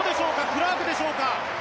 クラークでしょうか。